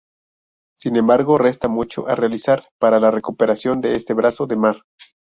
Sin embargo, resta mucho a realizar para la recuperación de este brazo de mar.